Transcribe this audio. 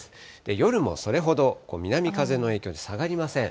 夜もそれほど南風の影響で下がりません。